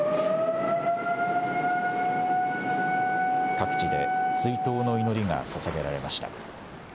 各地で追悼の祈りがささげられました。